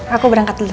aku berangkat dulu